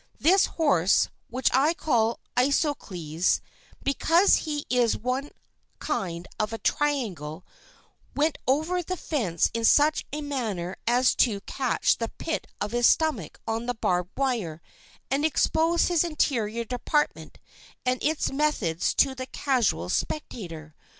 This horse, which I call Isosceles, because he is one kind of a triangle, went over the fence in such a manner as to catch the pit of his stomach on the barbed wire and expose his interior department and its methods to the casual spectator.